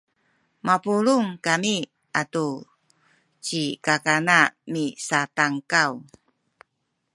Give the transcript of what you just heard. mapulung kami atu ci kakana misatankaw